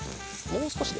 もう少し。